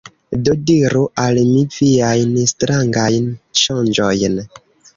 Do diru al mi viajn strangajn sonĝojn.